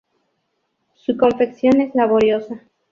Su confección es laboriosa.